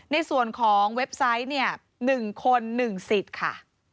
ในส่วนของเว็บไซต์เนี่ย๑คน๑สิทธิ์ค่ะ